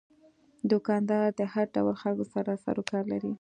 دوکاندار د هر ډول خلکو سره سروکار لري.